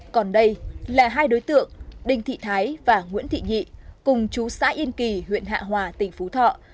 còn đây là hai đối tượng đinh thị thái và nguyễn thị nhị cùng chú xã yên kỳ huyện hạ hòa tỉnh phú thọ